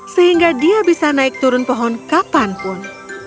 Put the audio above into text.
sehingga dia bisa naik turun pohon kapanpun